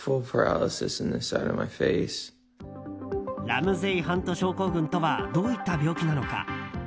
ラムゼイ・ハント症候群とはどういった病気なのか。